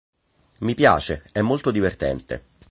Mi piace, è molto divertente.